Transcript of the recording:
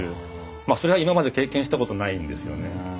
まあそれは今まで経験したことないんですよね。